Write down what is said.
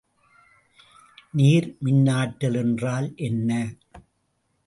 நீர்மின்னாற்றல் என்றால் என்ன?